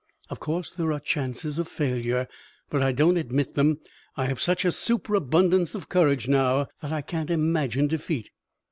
Of course, there are chances of failure, but I don't admit them. I have such a superabundance of courage now that I can't imagine defeat."